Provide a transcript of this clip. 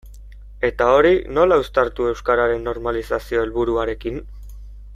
Eta hori nola uztartu euskararen normalizazio helburuarekin?